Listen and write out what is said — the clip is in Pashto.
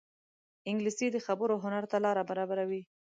انګلیسي د خبرو هنر ته لاره برابروي